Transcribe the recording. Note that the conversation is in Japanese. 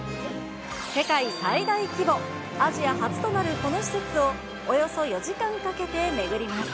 世界最大規模、アジア初となるこの施設を、およそ４時間かけて巡ります。